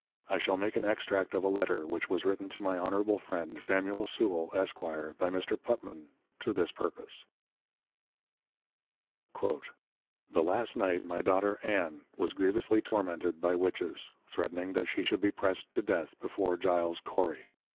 I shall make an Extract of a Letter, which was written to my Honourable Friend, Samuel Sewal, Esq.; by Mr. Putman, to this purpose; 'The Last Night my Daughter Ann, was grievously Tormented by Witches, Threatning that she should be Pressed to Death, before Giles Cory.